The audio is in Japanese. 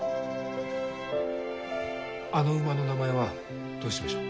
あの馬の名前はどうしましょう？